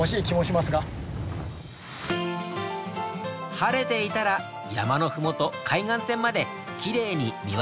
晴れていたら山の麓海岸線まできれいに見渡せます。